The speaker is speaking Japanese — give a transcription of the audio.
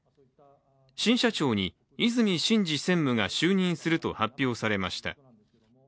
新社長に和泉伸二専務が就任すると発表されました。